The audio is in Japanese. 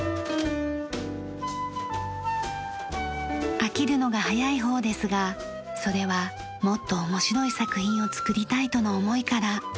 飽きるのが早い方ですがそれはもっと面白い作品を作りたいとの思いから。